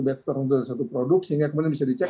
batch terhadap suatu produk sehingga kemudian bisa dicek